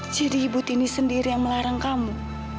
jadi ibu tini sendiri yang melarang kamu